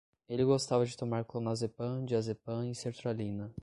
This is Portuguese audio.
Ele gostava de tomar clonazepam, diazepam e sertralina